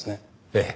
ええ。